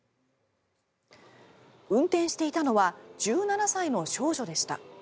運転していたのは１７歳の少女でした。